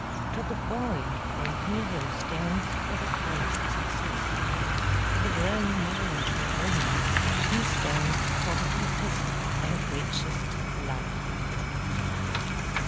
To the boy the hero stands for the highest success: to the grown man and woman he stands for the deepest and richest life.